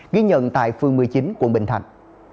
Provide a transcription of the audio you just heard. ghi nhận tại phường một mươi chín quận bình thạnh